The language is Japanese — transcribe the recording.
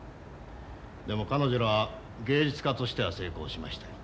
でも彼女らは芸術家としては成功しましたよ。